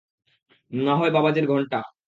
না হয় বাবাজীর ঘন্টা।